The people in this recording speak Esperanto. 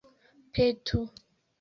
petu